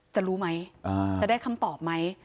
จะรู้ไหมจะได้คำตอบไหม